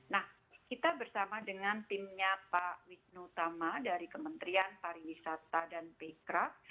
nah kita bersama dengan timnya pak widnu thamma dari kementerian pariwisata dan bekrap